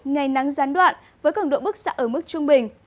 ngày nắng gián đoạn với cứng độ bức xạ ở mức trung bình